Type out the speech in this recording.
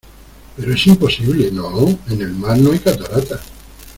pero es imposible, ¿ no? en el mar no hay cataratas.